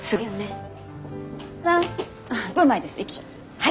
はい！